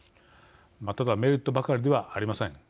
ただ、メリットばかりではありません。